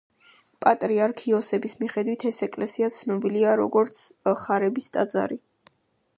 პატრიარქ იოსების მიხედით ეს ეკლესია ცნობილია როგორც ხარების ტაძარი.